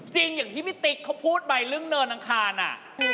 อย่างที่พี่ติ๊กเขาพูดไปเรื่องเนินอังคารอ